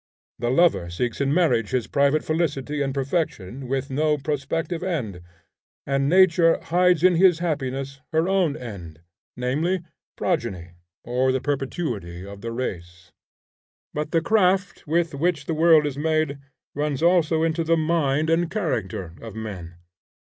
The lover seeks in marriage his private felicity and perfection, with no prospective end; and nature hides in his happiness her own end, namely, progeny, or the perpetuity of the race. But the craft with which the world is made, runs also into the mind and character of men.